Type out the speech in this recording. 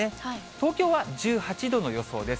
東京は１８度の予想です。